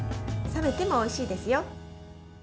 冷めてもおいしいですよ。